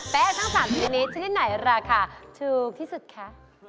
แป้งทั้ง๓ชีวิตนี้จะได้ไหนราคาถูกที่สุดคะ